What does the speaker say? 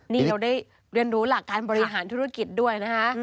นี่เราได้เรียนรู้หลักการบริหารธุรกิจด้วยนะคะ